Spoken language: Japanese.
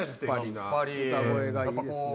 歌声がいいですね。